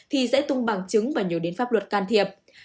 thì sẽ tung bằng chứng và nhớ đến pháp luật can thiệp